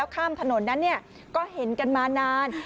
ข้ามถนนนั้นก็เห็นกันมานาน